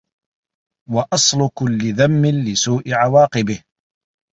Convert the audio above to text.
وَأَصْلُ كُلِّ ذَمٍّ لِسُوءِ عَوَاقِبِهِ